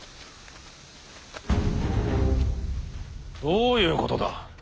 どういうことだ。